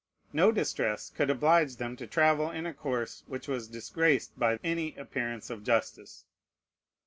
No distress could oblige them to travel in a course which was disgraced by any appearance of justice.